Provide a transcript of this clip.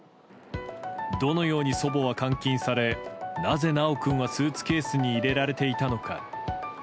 どのように祖母は監禁されなぜ、修君はスーツケースに入れられていたのか。